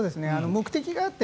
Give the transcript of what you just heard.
目的があって